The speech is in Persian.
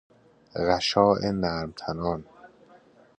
غشاء نرم تنان